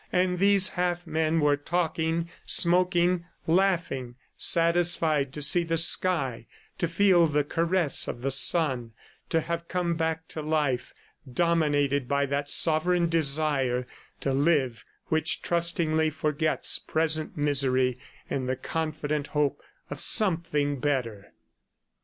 And these half men were talking, smoking, laughing, satisfied to see the sky, to feel the caress of the sun, to have come back to life, dominated by that sovereign desire to live which trustingly forgets present misery in the confident hope of something better.